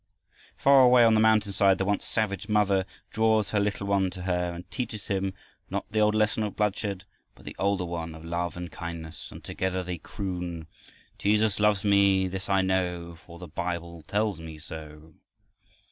Far away on the mountainside, the once savage mother draws her little one to her and teaches him, not the old lesson of bloodshed, but the older one of love and kindness, and together they croon: Jesus loves me, this I know, For the Bible tells me so.